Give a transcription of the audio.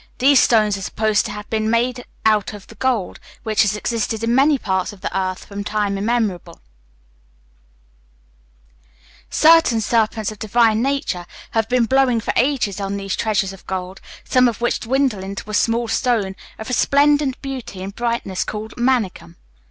These stones are supposed to have been made out of the gold, which has existed in many parts of the earth from time immemorial. Certain serpents of divine nature have been blowing for ages on these treasures of gold, some of which dwindle into a small stone of resplendent beauty and brightness called manikkam.